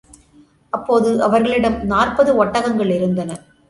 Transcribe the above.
அப்போது அவர்களிடம் நாற்பது ஒட்டகங்கள் இருந்தன.